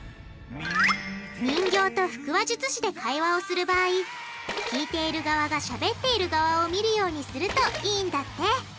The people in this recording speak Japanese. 人形と腹話術師で会話をする場合聞いている側がしゃべっている側を見るようにするといいんだって！